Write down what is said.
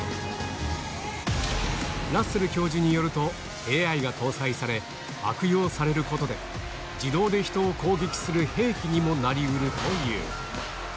ラッセル教授によると、ＡＩが搭載され、悪用されることで、自動で人を攻撃する兵器にもなりうるという。